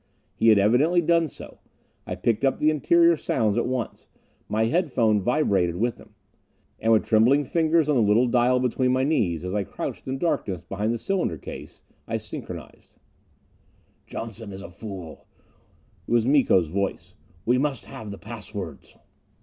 He had evidently done so. I picked up the interior sounds at once; my headphone vibrated with them. And with trembling fingers on the little dial between my knees as I crouched in the darkness behind the cylinder case, I synchronized. "Johnson is a fool." It was Miko's voice. "We must have the pass words."